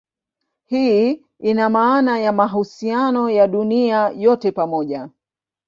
Hii ina maana ya mahusiano ya dunia yote pamoja.